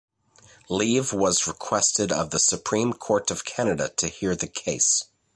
Leave was requested of the Supreme Court of Canada to hear the case.